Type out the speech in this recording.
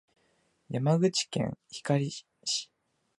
山口県光市